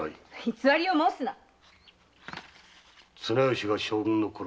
偽りを申すな綱吉が将軍のころ